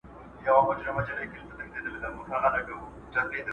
هغوی د طبیعي شربت په څښلو بوخت دي.